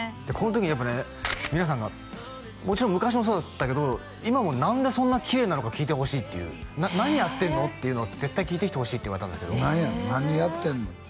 この時にやっぱね皆さんがもちろん昔もそうだったけど今も何でそんなキレイなのか聞いてほしいっていう何やってんのっていうのを絶対聞いてきてほしいって言われたんですけど何やの何やってんの？